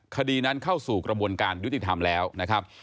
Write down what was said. คดีนั้นเข้าสู่กระบวนการยุติธรรมแล้วนะครับ